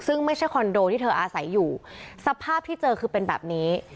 ซึ่งไม่ใช่คอนโดที่เธออาศัยอยู่สภาพที่เจอคือเป็นแบบนี้